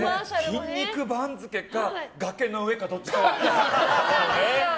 「筋肉番付」か崖の上かどっちか。